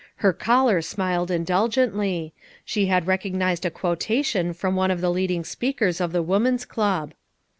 Her caller smiled indulgently; she had recognized a quo tation from one of the leading speakers at the Woman's Club.